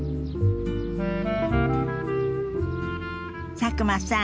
佐久間さん